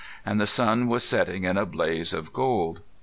And the sun was setting in a blaze of gold.